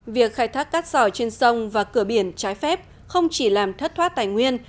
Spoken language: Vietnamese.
việc khai thác cát sỏi trên sông và cửa biển trái phép không chỉ làm thất thoát tài nguyên